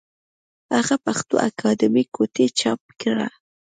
هغه پښتو اکادمي کوټې چاپ کړه